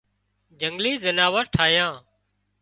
جنگلِي زناور ٺاهيان